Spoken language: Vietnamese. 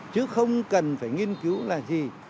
chứ không cần phải nghiên cứu là gì